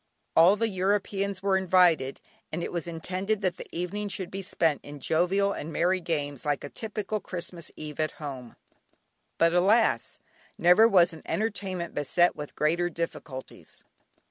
All the Europeans were invited, and it was intended that the evening should be spent in jovial and merry games like a typical Christmas eve at home. But alas! never was an entertainment beset with greater difficulties.